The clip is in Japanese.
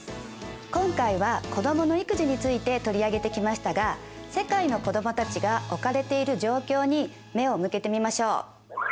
今回は子どもの育児について取り上げてきましたが世界の子どもたちが置かれている状況に目を向けてみましょう。